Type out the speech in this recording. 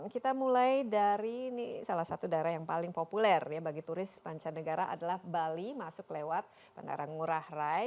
kita mulai dari salah satu daerah yang paling populer bagi turis panca negara adalah bali masuk lewat bandara ngurah rai